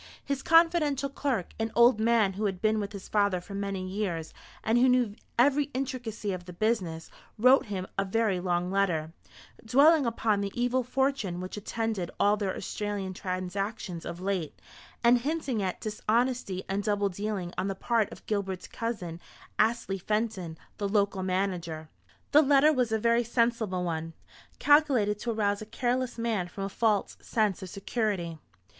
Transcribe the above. His confidential clerk an old man who had been with his father for many years, and who knew every intricacy of the business wrote him a very long letter, dwelling upon the evil fortune which attended all their Australian transactions of late, and hinting at dishonesty and double dealing on the part of Gilbert's cousin, Astley Fenton, the local manager. The letter was a very sensible one, calculated to arouse a careless man from a false sense of security.